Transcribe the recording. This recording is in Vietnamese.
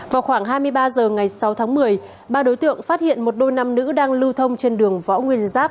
vào khoảng hai mươi ba h ngày sáu tháng một mươi ba đối tượng phát hiện một đôi nam nữ đang lưu thông trên đường võ nguyên giáp